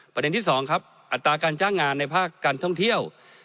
ประเด็นที่๒ครับอัตราการจ้างงานในภาคการท่องเที่ยว